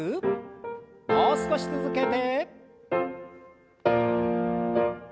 もう少し続けて。